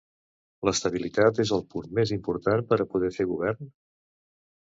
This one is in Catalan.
L'estabilitat és el punt més important per a poder fer govern?